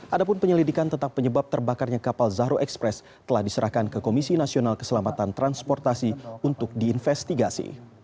ada pun penyelidikan tentang penyebab terbakarnya kapal zahro express telah diserahkan ke komisi nasional keselamatan transportasi untuk diinvestigasi